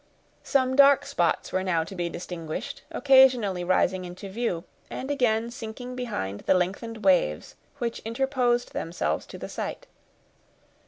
Some dark spots were now to be distinguished, occasionally rising into view, and again sinking behind the lengthened waves which interposed themselves to the sight.